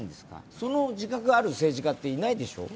その自覚がある政治家っていないでしょ？